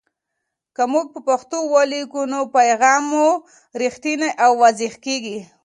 که موږ په پښتو ولیکو، نو پیغام مو رښتینی او واضح کېږي.